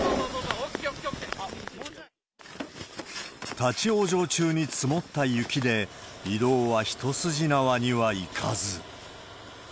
立往生中に積もった雪で、移動は一筋縄にはいかず。